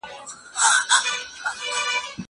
زه درس نه لولم!!